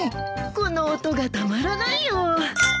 この音がたまらないよ。